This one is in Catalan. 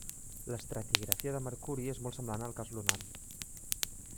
L'estratigrafia de Mercuri és molt semblant al cas lunar.